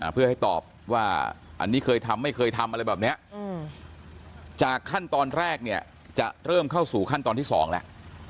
เพื่อให้ตอบว่าอันนี้เคยทำไม่เคยทำอะไรแบบนี้จากขั้นตอนแรกเนี่ยจะเริ่มเข้าสู่ขั้นตอนที่๒แล้ว